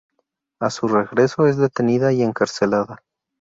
A su regreso es detenida y encarcelada.